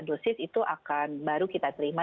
dosis itu akan baru kita terima